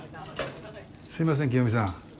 すいません清美さん